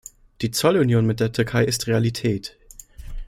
Die Zollunion mit der Türkei ist Realität.